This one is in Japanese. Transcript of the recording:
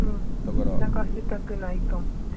泣かせたくないと思って。